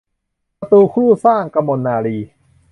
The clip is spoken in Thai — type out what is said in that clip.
ศัตรูคู่สร้าง - กมลนารีย์